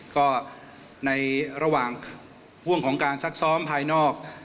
ก็ในระหว่างการซักซ้อมภายนอก